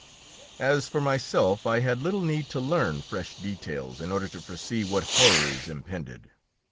As for myself, I had little need to learn fresh details in order to foresee what horrors impended.